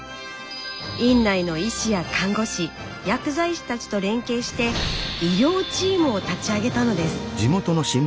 院内の医師や看護師薬剤師たちと連携して医療チームを立ち上げたのです。